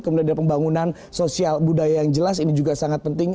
kemudian ada pembangunan sosial budaya yang jelas ini juga sangat penting